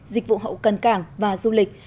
dịch vụ hậu cần cảng và du lịch